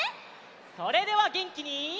それではげんきに。